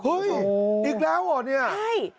เฮ้ยอีกแล้วเหรอเนี่ย